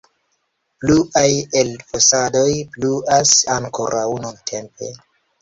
Pluaj elfosadoj pluas ankoraŭ nuntempe.